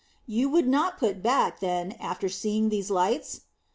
"You would not put back, then, after seeing these lights?"